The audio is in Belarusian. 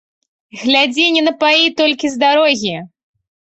Глядзі не напаі толькі з дарогі.